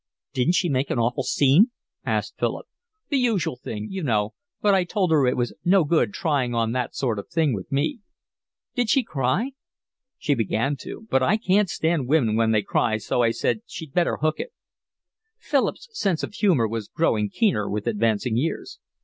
"Didn't she make an awful scene?" asked Philip. "The usual thing, you know, but I told her it was no good trying on that sort of thing with me." "Did she cry?" "She began to, but I can't stand women when they cry, so I said she'd better hook it." Philip's sense of humour was growing keener with advancing years.